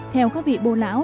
theo các vị bô lão